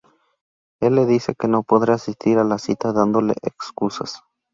Él le dice que no podrá asistir a la cita dándole excusas.